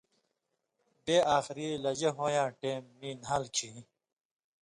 بئ آخری لژہ ہویں یاں ٹېم مِیں نھال کھیں